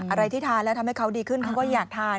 อะไรที่ทานแล้วทำให้เขาดีขึ้นเขาก็อยากทาน